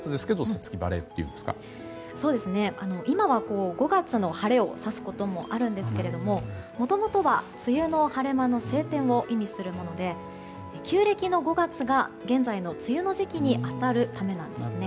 今は５月の晴れを指すこともあるんですけどもともとは梅雨の晴れ間の晴天を意味するもので旧暦の５月が現在の梅雨の時期に当たるためなんですね。